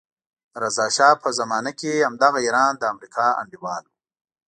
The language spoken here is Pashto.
د رضا شا په زمانه کې همدغه ایران د امریکا انډیوال وو.